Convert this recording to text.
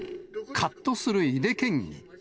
かっとする井手県議。